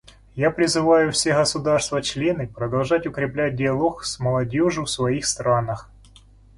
Я призываю все государства-члены продолжать укреплять диалог с молодежью в своих странах.